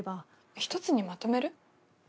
１つにまとめる？